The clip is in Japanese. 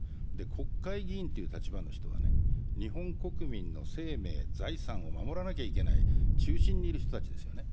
国会議員という立場の人は日本国民の生命・財産を守らなければならない中心にいる人たちですよね。